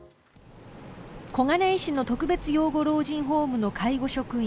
小金井市の特別養護老人ホームの介護職員